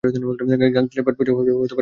গাংচিলদের পেট-পূজা হবে ওরে খেয়ে!